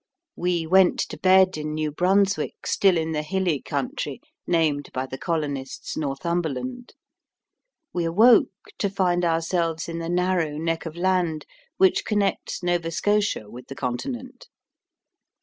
We went to bed in New Brunswick still in the hilly country named by the colonists Northumberland. We awoke to find ourselves in the narrow neck of land which connects Nova Scotia with the continent.